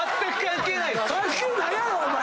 関係ないやろ！お前。